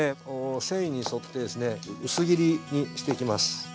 繊維に沿って薄切りにしていきます。